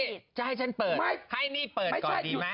ที่จะให้ฉันเปิดให้นี่เปิดก่อนดีมาก